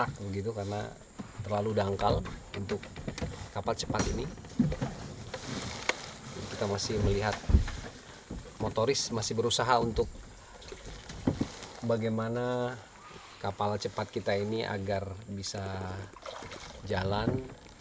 kita masih melihat motoris masih berusaha untuk bagaimana kapal cepat kita ini agar bisa jalan